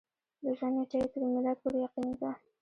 د ژوند نېټه یې تر میلاد پورې یقیني ده.